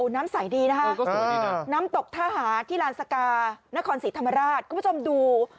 น้ำสายดีนะฮะน้ำตกทหาที่ลานสกานครศรีธรรมราชก็ไม่ชอบดู